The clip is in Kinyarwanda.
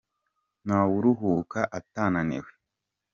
ntawuruhuka atananiwe.